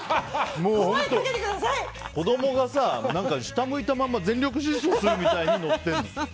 もう本当子供が下向いたまんま全力疾走するみたいに乗ってるの。